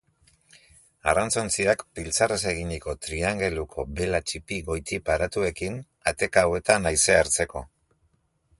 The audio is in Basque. Arrantzontziak piltzarrez eginiko triangeluko bela ttipi goiti paratuekin, ateka hauetan haize hartzeko.